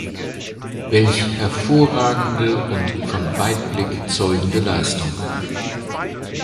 Welch hervorragende und von Weitblick zeugende Leistung!